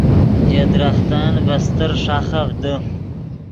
ژے درختن ڤے استر ݰاخف دے